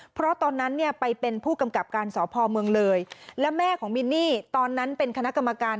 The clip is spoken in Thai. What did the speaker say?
เพราะตอนนั้นเนี่ยไปเป็นผู้กำกับการสพเมืองเลยและแม่ของมินนี่ตอนนั้นเป็นคณะกรรมการ